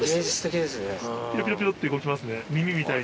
ピロピロピロって動きますね耳みたい。